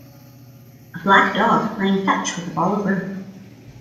A black dog playing fetch with a ball of rope.